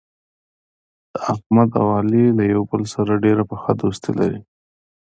د احمد او علي یو له بل سره ډېره پخه دوستي لري.